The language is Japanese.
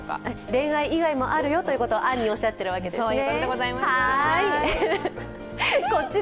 恋愛以外もあるよということを暗におっしゃっているわけですね。